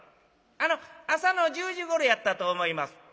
「あの朝の１０時ごろやったと思います」。